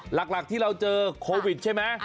หลักที่เราเจอโควิดใช่ไหม